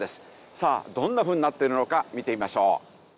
さあどんなふうになっているのか見てみましょう。